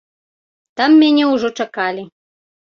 Там мяне ўжо чакалі.